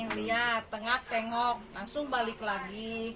lihat tengah tengok langsung balik lagi